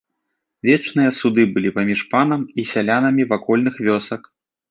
Вечныя суды былі паміж панам і сялянамі вакольных вёсак.